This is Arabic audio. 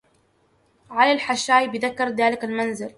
علل حشاي بذكر ذاك المنزل